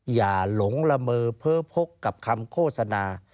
หลงละเมอเพ้อพกกับคำโฆษณา